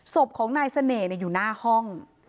ศพของนายเสน่ห์อยู่หน้าห้อง